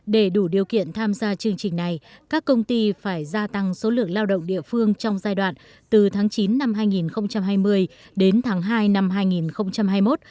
để đủ điều kiện tham gia chương trình này các công ty phải gia tăng số lượng lao động địa phương trong giai đoạn từ tháng chín năm hai nghìn hai mươi đến tháng hai năm hai nghìn hai mươi một